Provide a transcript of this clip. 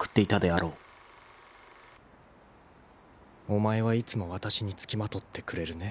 「お前はいつもわたしに付きまとってくれるね」